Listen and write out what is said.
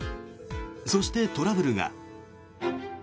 そして、トラブルが。